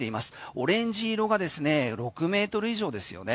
オレンジ色が６ｍ以上ですよね。